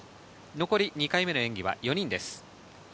２回目の演技は残り４人です。